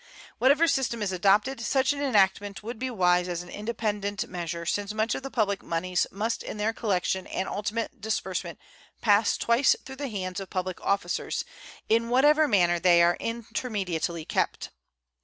Whatever system is adopted, such an enactment would be wise as an independent measure, since much of the public moneys must in their collection and ultimate disbursement pass twice through the hands of public officers, in whatever manner they are intermediately kept.